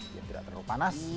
dia tidak terlalu panas